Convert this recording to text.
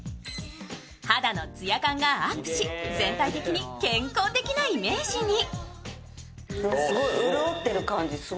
肌の艶感がアップし、全体的に健康的なイメージに。